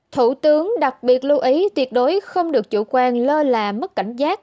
thủ tướng đặc biệt lưu ý tuyệt đối không được chủ quan lơ là mất cảnh giác